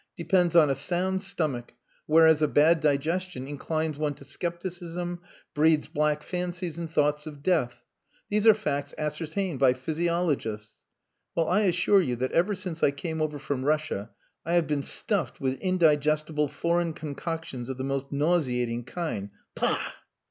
depends on a sound stomach, whereas a bad digestion inclines one to scepticism, breeds black fancies and thoughts of death. These are facts ascertained by physiologists. Well, I assure you that ever since I came over from Russia I have been stuffed with indigestible foreign concoctions of the most nauseating kind pah!"